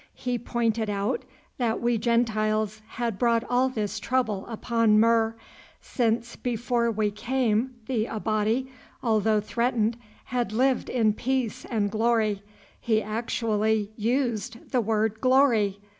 He pointed out that we Gentiles had brought all this trouble upon Mur, since before we came the Abati, although threatened, had lived in peace and glory—he actually used the word glory!